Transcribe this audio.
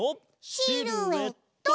シルエット！